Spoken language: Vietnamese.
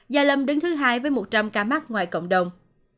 gia lâm đứng thứ hai với một trăm linh ca mắc ngoài cộng đồng